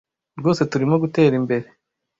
Rwose turimo gutera imbere.